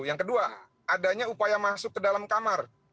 yang kedua adanya upaya masuk ke dalam kamar